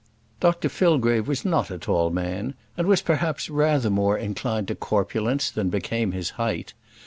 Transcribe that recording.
Dr Fillgrave was not a tall man, and was perhaps rather more inclined to corpulence than became his height.